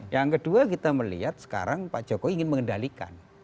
yang kedua kita melihat sekarang pak jokowi ingin mengendalikan